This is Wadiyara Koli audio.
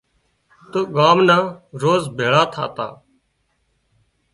تو ڳان نان روز ڀيۯان ٿاتان